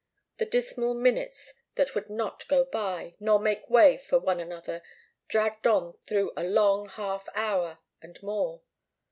The dismal minutes that would not go by, nor make way for one another, dragged on through a long half hour, and more.